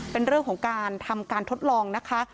เป็นเรื่องของการทำการทดลองนะคะ